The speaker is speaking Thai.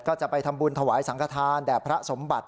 ก็จะไปทำบุญถวายสังขทานแด่พระสมบัติ